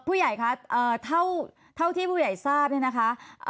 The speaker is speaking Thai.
ผู้ใหญ่คะเท่าที่ผู้ใหญ่ทราบเนี่ยนะคะ